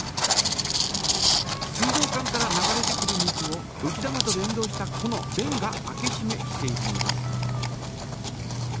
水道管から流れてくる水をうき玉と連動したこのべんが開けしめしているのです。